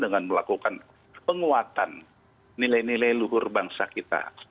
dengan melakukan penguatan nilai nilai luhur bangsa kita